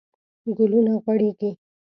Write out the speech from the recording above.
ګلونه غوړیږي